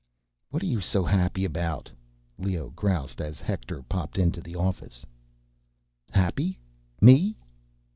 "What are you so happy about?" Leoh groused as Hector popped into the office. "Happy? Me?"